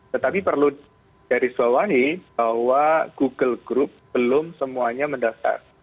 tetapi perlu digarisbawahi bahwa google group belum semuanya mendaftar